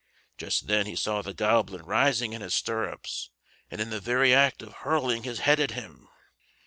Just then he saw the goblin rising in his stirrups, and in the very act of hurling his head at him.